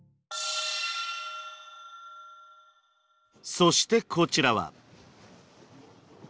そしてこちらは。